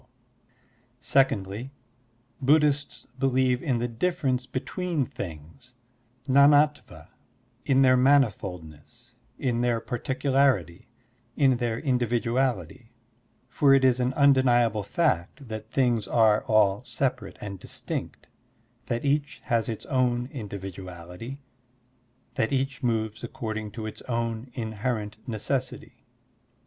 Digitized by Google 64 SERMONS OF A BUDDHIST ABBOT Secondly, Buddhists believe in the difference between things {ndndtva), in their manifoldness, in their partictdarity, in their individuality; for it is an undeniable fact that things are all separate and distinct, that each has its own individuality, that each moves according to its own inherent necessity.